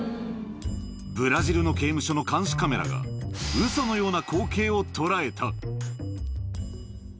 ブラジルの刑務所の監視カメラが、ウソのような光景を捉えた。